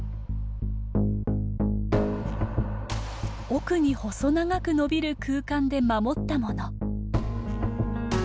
奥に細長くのびる空間で守ったもの。